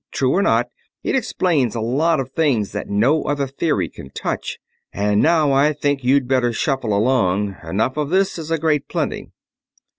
True or not, it explains a lot of things that no other theory can touch. And now I think you'd better shuffle along; enough of this is a great plenty!"